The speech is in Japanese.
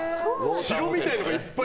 城みたいなのがいっぱい。